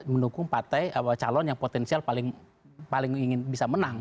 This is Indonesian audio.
mendukung partai calon yang potensial paling ingin bisa menang